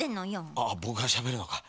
ああぼくがしゃべるのか。